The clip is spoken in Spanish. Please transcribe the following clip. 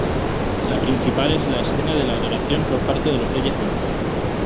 La principal es la escena de la adoración por parte de los Reyes Magos.